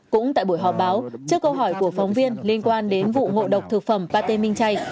cũng tại buổi họp báo trước câu hỏi của phóng viên liên quan đến vụ ngộ độc thực phẩm pate minh chay